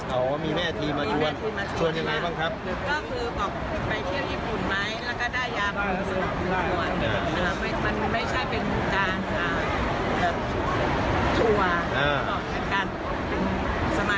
เอ่อมีแม่ทีมาจ่วนจ่วนยังไงบ้างครับ